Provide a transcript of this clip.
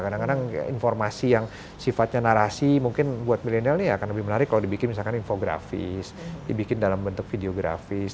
kadang kadang informasi yang sifatnya narasi mungkin buat milenial ini akan lebih menarik kalau dibikin misalkan infografis dibikin dalam bentuk videografis